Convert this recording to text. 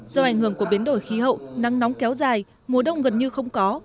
do ảnh hưởng của biến đổi khí hậu nắng nóng kéo dài mùa đông gần như không có